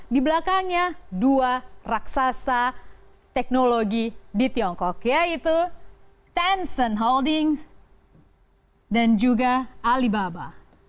di belakangnya dua raksasa teknologi di tiongkok yaitu tencent holdings dan juga alibaba